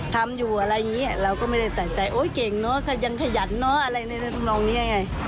ทำอยู่อะไรอย่างนี้เราก็ไม่ได้ใส่ใจโอ๊ยเก่งเนอะขยันขยันเนอะอะไรในทำนองนี้ยังไง